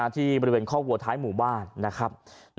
ที่บริเวณคอกวัวท้ายหมู่บ้านนะครับ